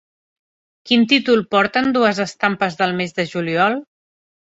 Quin títol porten dues estampes del mes de juliol?